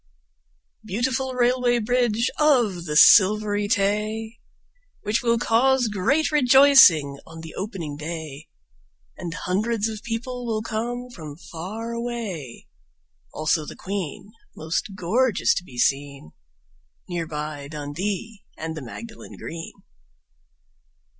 Beautiful Railway Bridge of the Silvery Tay ! Which will cause great rejoicing on the opening day And hundreds of people will come from far away, Also the Queen, most gorgeous to be seen, Near by Dundee and the Magdalen Green.